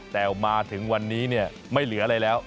แต่มาถึงวันนี้เนี่ยไม่เหลืออะไรแล้ว